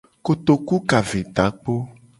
Kotoku ka ve takpo.